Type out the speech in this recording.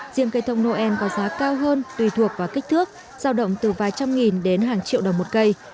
riêng cây thông noel có giá cao hơn tùy thuộc vào kích thước giao động từ vài trăm nghìn đến hàng triệu đồng một cây